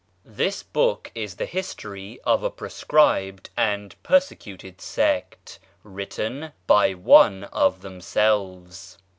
This book is the history of a proscribed and persecuted sect written by one of themselves.